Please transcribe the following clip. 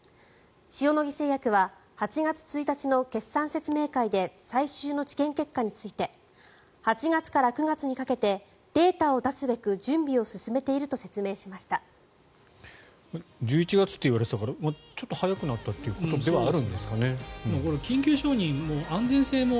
塩野義製薬は８月１日の決算説明会で最終の治験結果について８月から９月にかけてデータを出すべく準備を進めていると一歩歩けばひとつの出会いがある